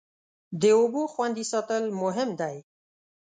د اوبو خوندي ساتل مهم دی.